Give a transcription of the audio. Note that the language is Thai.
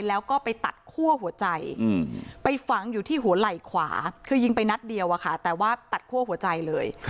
แล้วก็ไปตัดคั่วหัวใจไปฝังอยู่ที่หัวไหล่ขวาคือยิงไปนัดเดียวอะค่ะแต่ว่าตัดคั่วหัวใจเลย